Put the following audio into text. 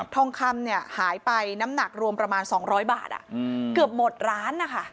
ทองคำเนี่ยหายไปน้ำหนักรวมประมาณ๒๐๐บาทเกือบหมดร้านนะคะ